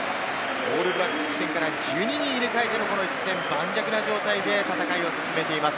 オールブラックス戦から１２人入れ替えての一戦、盤石な状態で戦いを進めています。